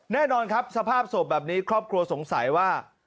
แน่นอนครับสภาพศพแบบนี้ครอบครัวสงสัยว่า